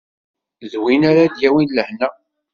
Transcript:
D win ara d-yawin lehna.